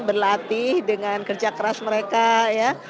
berlatih dengan kerja keras mereka ya